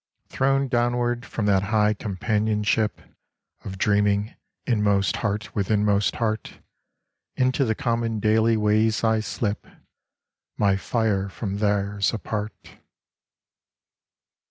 Thrown downward from that high companionship Of dreaming > inmost heart with inmost heart, Into the common daily ways I slip, My fire from theirs apart.